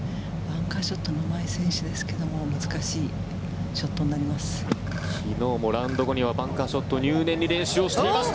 バンカーショットのうまい選手ですけれど難しいショットになります。